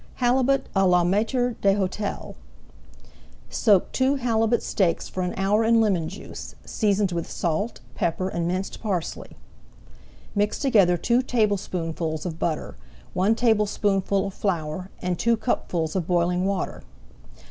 HALIBUT À LA MAÎTRE D'HÔTEL Soak two halibut steaks for an hour in lemon juice, seasoned with salt, pepper, and minced parsley. Mix together two tablespoonfuls of butter, one tablespoonful of flour, and two cupfuls of boiling water.